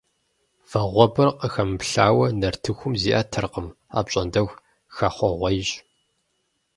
Вагъуэбэр къыхэмыплъауэ нартыхум зиӀэтыркъым, апщӀондэху хэхъуэгъуейщ.